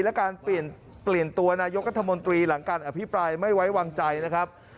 และการเปลี่ยนตัวนายกรัฐมนตรีหลังการอภิปรายไม่ไว้วางใจนะครับ